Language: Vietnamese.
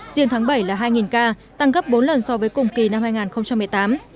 riêng tháng bảy là hai ca tăng gấp bốn lần so với cùng kỳ năm hai nghìn một mươi tám